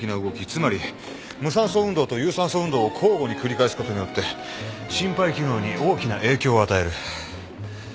つまり無酸素運動と有酸素運動を交互に繰り返すことによって心肺機能に大きな影響を与える。